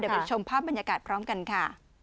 เดี๋ยวไปชมภาพบรรยากาศพร้อมกันค่ะ